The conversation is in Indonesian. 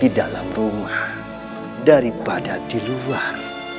di dalam rumah daripada di luar